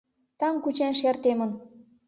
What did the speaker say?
- Таҥ кучен шер темын.